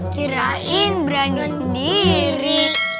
kirain berani sendiri